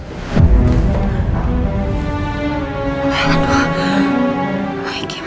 saya akan bertindak tegas